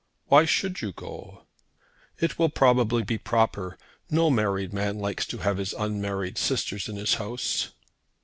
"Why should you go?" "It will probably be proper. No married man likes to have his unmarried sisters in his house."